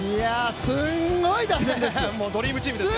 すごい打線ですよ。